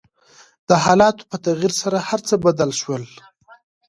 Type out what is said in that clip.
د حالاتو په تغير سره هر څه بدل شول .